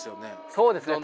そうですね。